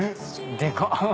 でかっ！